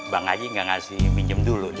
bang aji gak ngasih minjem dulu deh